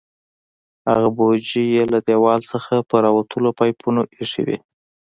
هغه بوجۍ یې له دیوال څخه پر راوتلو پایپونو ایښې وې.